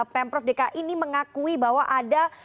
pemprov dki ini mengakui bahwa ada